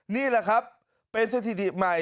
นี่แหละครับเป็นสถิติใหม่